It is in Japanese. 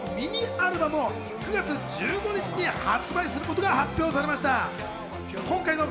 桑田佳祐さんが自身初のミニアルバムを９月１５日に発売することが発表されました。